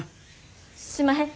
すんまへん。